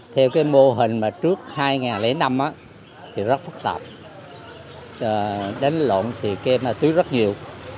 theo cái mô hình mà trước hai nghìn năm thì rất phức tạp đánh lộn xì kem là tứ rất nhiều